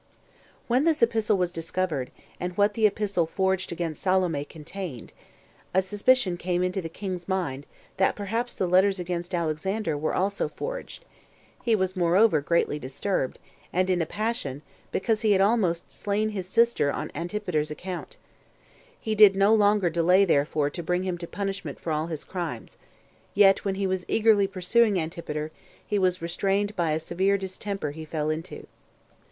7. When this epistle was discovered, and what the epistle forged against Salome contained, a suspicion came into the king's mind, that perhaps the letters against Alexander were also forged: he was moreover greatly disturbed, and in a passion, because he had almost slain his sister on Antipater's account. He did no longer delay therefore to bring him to punishment for all his crimes; yet when he was eagerly pursuing Antipater, he was restrained by a severe distemper he fell into.